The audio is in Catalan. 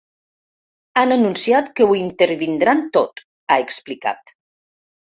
Han anunciat que ho intervindran tot, ha explicat.